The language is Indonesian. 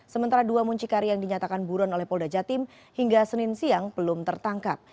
sementara dua muncikari yang dinyatakan buron oleh polda jatim hingga senin siang belum tertangkap